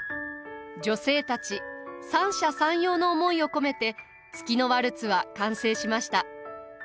女性たち三者三様の思いを込めて「月のワルツ」は完成しました。